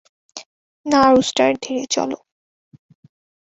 না, রুস্টার, ধীরে চলো।